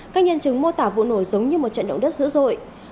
các nhân chứng mô tả vụ nổ giống như một trận động đất dữ dội